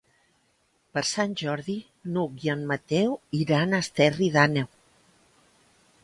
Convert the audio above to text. Per Sant Jordi n'Hug i en Mateu iran a Esterri d'Àneu.